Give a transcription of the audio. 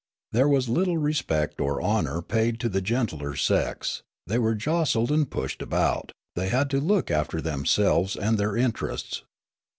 There was little respect or honour paid to the gentler sex ; the}' were jostled and pushed about ; they had to look after themselves and their in terests.